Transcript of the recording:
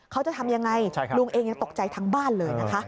เขาจะทำยังไงลุงเองยังตกใจทั้งบ้านเลยนะคะ